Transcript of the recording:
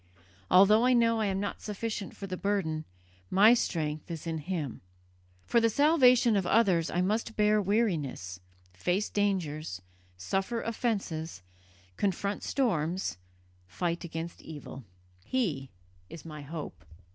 Although I know I am not sufficient for the burden, my strength is in Him. For the salvation of others I must bear weariness, face dangers, suffer offences, confront storms, fight against evil. He is my hope."